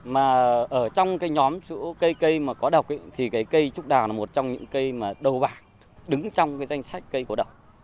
mà ở trong cái nhóm chỗ cây cây mà có độc thì cây trúc đào là một trong những cây mà đồ bạc đứng trong cái danh sách cây có độc